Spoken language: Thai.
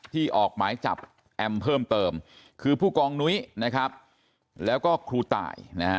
ออกหมายจับแอมเพิ่มเติมคือผู้กองนุ้ยนะครับแล้วก็ครูตายนะฮะ